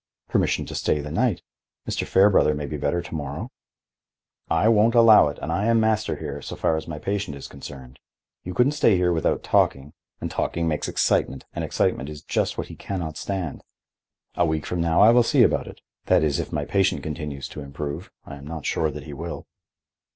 "Permission to stay the night. Mr. Fairbrother may be better to morrow." "I won't allow it and I am master here, so far as my patient is concerned. You couldn't stay here without talking, and talking makes excitement, and excitement is just what he can not stand. A week from now I will see about it—that is, if my patient continues to improve. I am not sure that he will."